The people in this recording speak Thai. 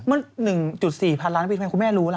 เมื่อ๑๔พันล้านปีคุณแม่รู้ล่ะ